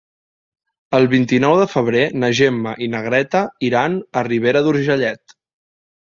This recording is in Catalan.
El vint-i-nou de febrer na Gemma i na Greta iran a Ribera d'Urgellet.